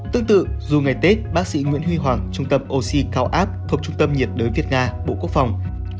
tương tự dù ngày tết bác sĩ nguyễn huy hoàng trung tâm oxy cao áp thuộc trung tâm nhiệt đới việt nga bộ quốc phòng